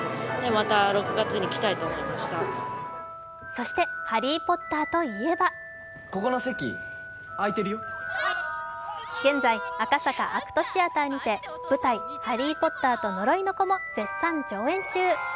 そしてハリー・ポッターといえば現在、赤坂ＡＣＴシアターにて舞台「ハリー・ポッターと呪いの子」も絶賛上演中。